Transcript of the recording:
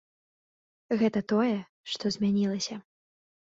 Гэта тое, што змянілася.